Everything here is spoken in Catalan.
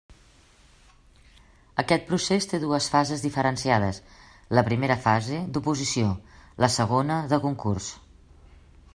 Aquest procés té dues fases diferenciades: la primera fase, d'oposició; la segona, de concurs.